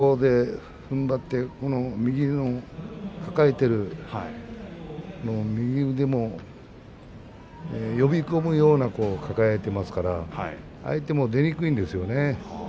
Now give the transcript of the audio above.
ここでふんばって右の抱えている右腕も呼び込むような感じで抱えていますから相手も出にくいんですよね。